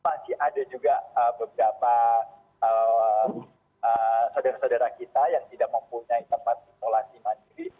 masih ada juga beberapa saudara saudara kita yang tidak mempunyai tempat isolasi mandiri